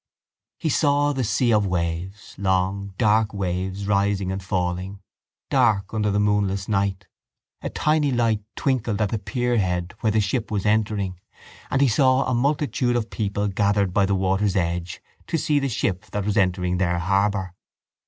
He saw the sea of waves, long dark waves rising and falling, dark under the moonless night. A tiny light twinkled at the pierhead where the ship was entering: and he saw a multitude of people gathered by the waters' edge to see the ship that was entering their harbour.